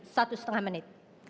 satu setengah menit